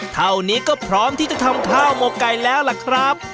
เท่านี้ก็พร้อมที่จะทำข้าวหมกไก่แล้วล่ะครับ